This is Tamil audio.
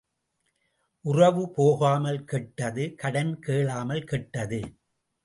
உறவு போகாமல் கெட்டது கடன் கேளாமல் கெட்டது.